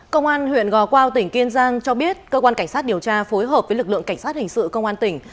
công an huyện gò quao tỉnh kiên giang cho biết cơ quan cảnh sát điều tra phối hợp với lực lượng cảnh sát hình sự công an tỉnh